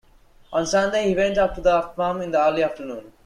On Sunday he went up to the farm in the early afternoon.